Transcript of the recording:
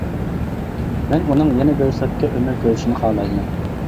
مەن ئۇنىڭ يەنە بىر سوتكا ئۆمۈر كۆرۈشىنى خالايمەن.